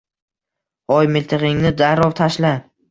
Hoy, miltig’ingni darrov tashla.